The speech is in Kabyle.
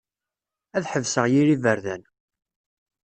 Ad ḥebseɣ yir iberdan.